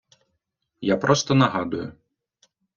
Я просто нагадую.